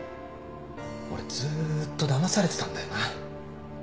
俺ずーっとだまされてたんだよな。